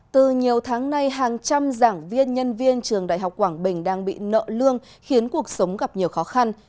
từ nhiều tháng nay hàng trăm giảng viên nhân viên trường đại học quảng bình đang bị nợ lương khiến cuộc sống gặp nhiều khó khăn